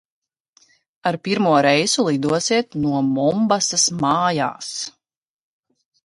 Ar pirmo reisu lidosiet no Mombasas mājās!